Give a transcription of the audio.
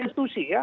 kami juga dianggap